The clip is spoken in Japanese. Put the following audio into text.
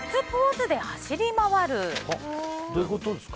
どういうことですか？